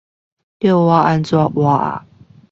叫我怎麼活啊